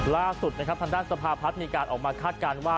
ล่าสุดนะครับทางด้านสภาพัฒน์มีการออกมาคาดการณ์ว่า